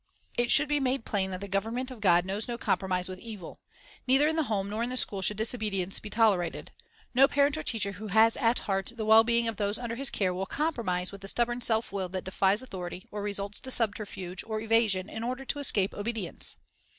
It should be made plain that the government of God knows no compromise with evil. Neither in the home nor in the school should disobedience be tolerated. No parent or teacher who has at heart the well being of those under his care will compromise with the stubborn self will that defies authority or resorts to subterfuge or evasion in order to escape obedience.